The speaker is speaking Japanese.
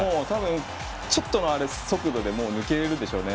ちょっとの速度で抜けるでしょうね。